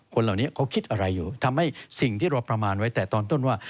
คนเหล่านี้เขาคิดอะไรอยู่ทำให้สิ่งที่เราประมาณไว้แต่ตอนต้นว่า